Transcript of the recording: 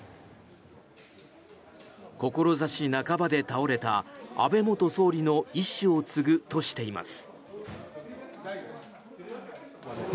志半ばで倒れた安倍元総理の遺志を継ぐとしています。